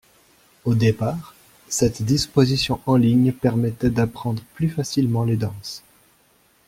Au départ, cette disposition en ligne permettait d'apprendre plus facilement les danses.